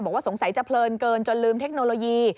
บอกว่าสงสัยจะเพลินเกินจนลืมเทคโนโลยี